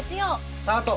スタート！